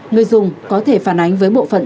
người dùng có thể phản ánh với bộ phận